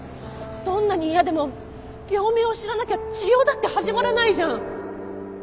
どんなに嫌でも病名を知らなきゃ治療だって始まらないじゃん。